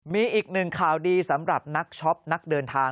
มีอีกหนึ่งข่าวดีสำหรับนักช็อปนักเดินทาง